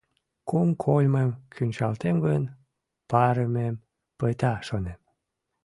Кум кольмым кӱнчалтем гын, парымем пыта, шонем.